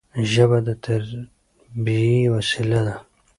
ژبه د تربيي وسیله ده.